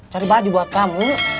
cari baju buat kamu